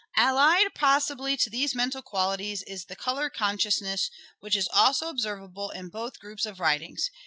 Allied possibly to these mental qualities is the colour consciousness which is observable in both groups of writings.